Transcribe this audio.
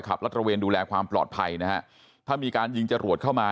รัฐระเวนดูแลความปลอดภัยนะฮะถ้ามีการยิงจรวดเข้ามา